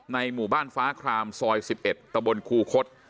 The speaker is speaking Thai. ในหมู่บ้านฟ้าคลามซอย๑๑ตะบลครูคลด